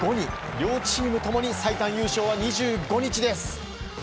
両チームともに最短優勝は２５日です。